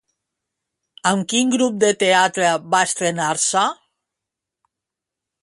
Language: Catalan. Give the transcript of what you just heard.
Amb quin grup de teatre va estrenar-se?